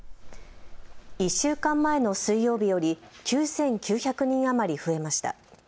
１週間前の水曜日より９９００人余り増えました。